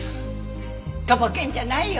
とぼけるんじゃないよ